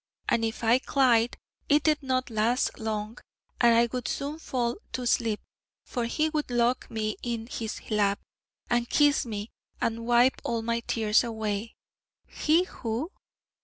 And if I clied, it did not last long, and I would soon fall to sleep, for he would lock me in his lap, and kiss me, and wipe all my tears away.' 'He who?'